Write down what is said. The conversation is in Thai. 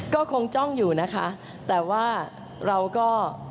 ก็คงจ้องอยู่นะคะแต่ว่าเราก็